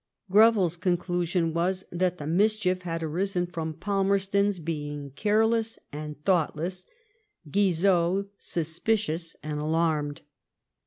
*' Greville's conclusion was that the mischief had arisen from Falmerston being careless and thoughtless, Goizot suspicious and alarmed.